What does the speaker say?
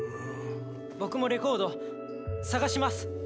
僕もレコード探します。